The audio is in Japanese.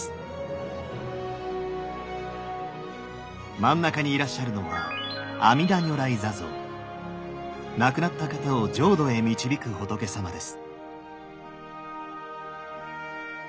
真ん中にいらっしゃるのは亡くなった方を浄土へ導く仏さまです。